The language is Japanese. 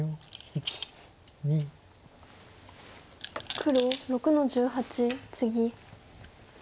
黒６の十八ツギ。